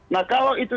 nah kalau itu